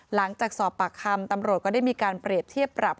หลังจากสอบปากคำตำรวจก็ได้มีการเปรียบเทียบปรับ